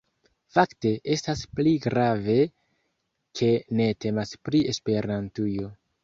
Fakte, estas pli grave, ke ne temas pri Esperantujo